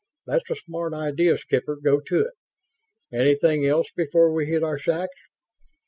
"That's a smart idea, Skipper. Go to it. Anything else before we hit our sacks?"